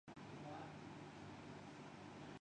Dubai test century پر متنازع tweet Babar Azam غصہ میں اگئے